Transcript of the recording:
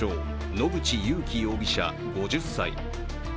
野口勇樹容疑者、５０歳。